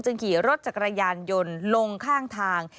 ขี่รถจักรยานยนต์ลงข้างทาง